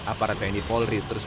aparat tni polri terus